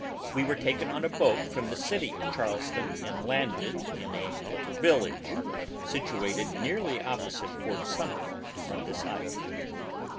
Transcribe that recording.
We were taken on a boat from the city of Charleston, and landed in a little village, situated nearly opposite Fort Sumter, on this island.